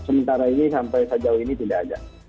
sementara ini sampai sejauh ini tidak ada